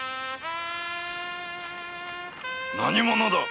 何者だ！